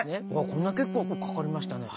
こんな結構かかりましたね。